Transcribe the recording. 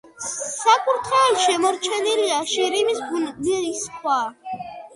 საკურთხეველში შემორჩენილია შირიმის ბუნის ქვა.